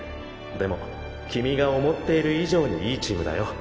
でも君が思っている以上にいいチームだよ。